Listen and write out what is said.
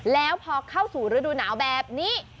แล้วพอเข้าสู่ฤดูหนาวแบบนี้